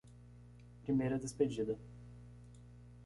Primeira despedida